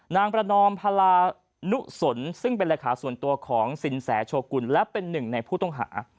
นางประนอมพลานุสนซึ่งเป็นเลขาส่วนตัวของสินแสโชกุลและเป็นหนึ่งในผู้ต้องหา